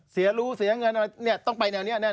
เสียรู้เสียเงินต้องไปแนวนี้แน่นอน